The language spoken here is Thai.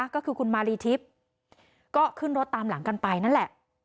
ก็คือคุณมารีทิพย์ก็ขึ้นรถตามหลังกันไปนั่นแหละ